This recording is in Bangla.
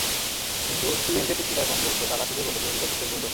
কিন্তু টিএমজেড পত্রিকা এখন বলছে, তাঁরা শুধুই বন্ধু, প্রেমের বিষয়টি স্রেফ গুঞ্জন।